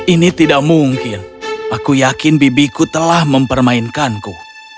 ini tidak mungkin aku yakin bibiku telah mempermainkanku